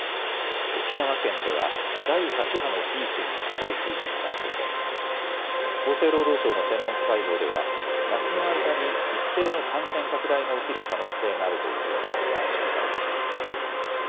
沖縄県では第８波のピークに近い水準になっていて厚生労働省の専門家会合では夏の間に一定の感染拡大が起きる可能性があるという分析が示されています。